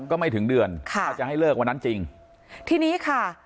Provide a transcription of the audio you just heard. ก็ไม่ถึงเดือนค่ะถ้าจะให้เลิกวันนั้นจริงทีนี้ค่ะ